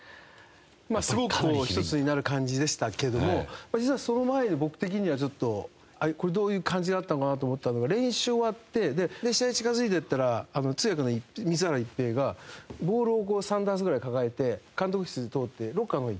まあすごくこう１つになる感じでしたけども実はその前に僕的にはちょっとこれどういう感じだったのかな？と思ったのが練習終わって試合近付いていったら通訳の水原一平がボールを３ダースぐらい抱えて監督室通ってロッカーの方に行ったんですよね。